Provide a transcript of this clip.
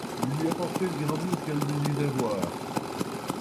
Il lui apportait une gravure qu’elle désirait voir.